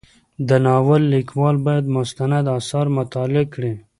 د ناول لیکوال باید مستند اثار مطالعه کړي.